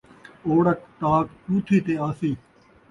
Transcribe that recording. اوڑک تاک چوتھی تے آسی